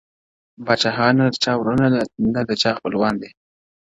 • پاچاهان نه د چا وروڼه نه خپلوان دي,